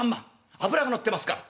脂が乗ってますから。